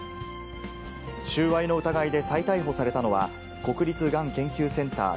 収賄の疑いで再逮捕されたのは、国立がん研究センター